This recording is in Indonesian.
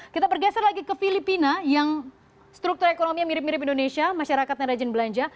kita bergeser lagi ke filipina yang struktur ekonomi mirip mirip indonesia masyarakat yang rajin belanja